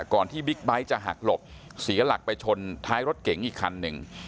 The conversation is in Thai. ก่อนที่บิ๊กไบร์ตจะหักหลบเกิดท้ายรถเก๋งอีกคันนึง